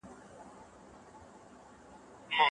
ښوونکو بايد شاګردانو ته د ژوند لاري ورښوولي وای.